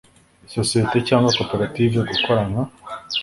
isosiyete cyangwa koperative gukora nka